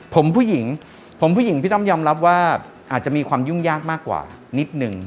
ผมผู้หญิงผมผู้หญิงพี่ต้อมยอมรับว่าอาจจะมีความยุ่งยากมากกว่านิดนึง